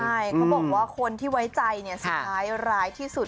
ใช่เขาบอกว่าคนที่ไว้ใจสุดท้ายร้ายที่สุด